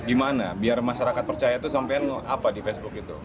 di mana biar masyarakat percaya itu sampai apa di facebook itu